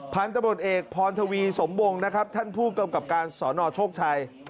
ผ่านตำรวจเอกพรทวีสมบงท่านผู้กำกับการสอนอโชคชัย